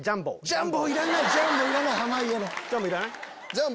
ジャンボ！